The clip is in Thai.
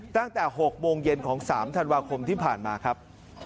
ตั้งแต่๖โมงเย็นของ๓ธันวาคมที่ผ่านมาครับ